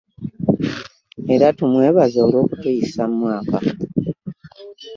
Era tumwebaze olw'okutuyisa mu mwaka